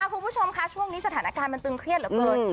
คุณผู้ชมคะช่วงนี้สถานการณ์มันตึงเครียดเหลือเกิน